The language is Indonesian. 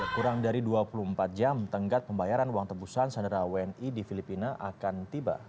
kurang dari dua puluh empat jam tenggat pembayaran uang tebusan sandera wni di filipina akan tiba